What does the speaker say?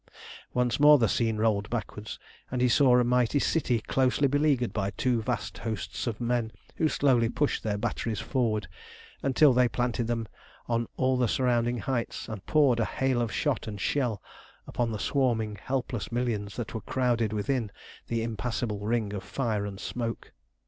Once more the scene rolled backwards, and he saw a mighty city closely beleaguered by two vast hosts of men, who slowly pushed their batteries forward until they planted them on all the surrounding heights, and poured a hail of shot and shell upon the swarming, helpless millions that were crowded within the impassable ring of fire and smoke.